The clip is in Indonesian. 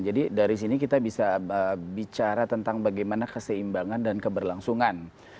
jadi dari sini kita bisa bicara tentang bagaimana keseimbangan dan keberlangsungan